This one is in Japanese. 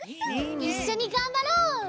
いっしょにがんばろう！